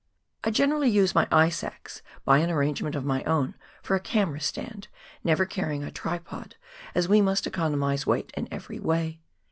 I generally use my ice axe, by an arrangement of my own, for a camera stand, never carrying a tripod, as we must econo mise weight in every way.